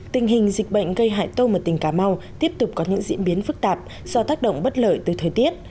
tình hình dịch bệnh gây hại tôm ở tỉnh cà mau tiếp tục có những diễn biến phức tạp do tác động bất lợi từ thời tiết